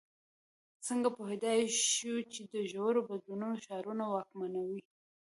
څنګه پوهېدای شو چې د ژورو بدلونونو شعارونه واکمنوي.